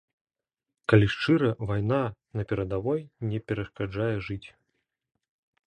Калі шчыра, вайна на перадавой не перашкаджае жыць.